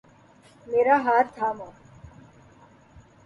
میرا ہاتھ تھامو